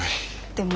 でも。